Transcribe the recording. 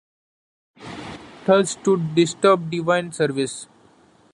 Thus to disturb divine Service!